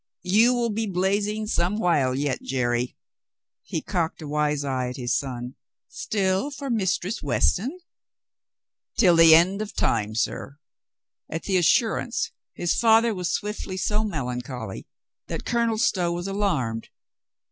You will be blazing some while yet, Jerry." He cocked a wise eye at his son. "Still for Mistress Weston ?" "Till the end of time, sir." At the assurance his father was swiftly so melancholy that Colonel Stow was alarmed.